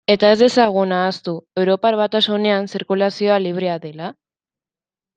Eta ez dezagun ahaztu Europar Batasunean zirkulazioa librea dela?